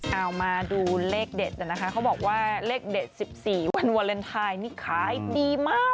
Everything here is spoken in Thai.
เอามาดูเลขเด็ดอ่าไงโคตรบอกว่าเลขเด็ด๑๔วันเวอร์แรนที่นี้ขายดีมาก